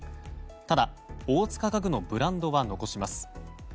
ただ、大塚家具のブランドは残します。